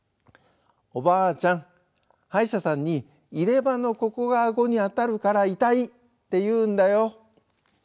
「おばあちゃん歯医者さんに入れ歯のここが顎に当たるから痛いって言うんだよ」。